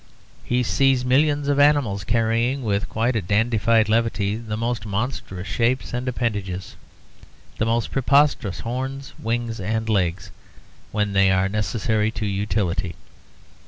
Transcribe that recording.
He sees millions of animals carrying, with quite a dandified levity, the most monstrous shapes and appendages, the most preposterous horns, wings, and legs, when they are necessary to utility.